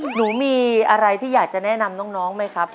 หนูมีอะไรที่อยากจะแนะนำน้องไหมครับ